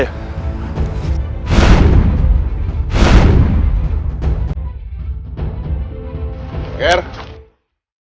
bang aproximatif ini